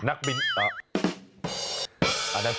นักบินนักบินอ๋อ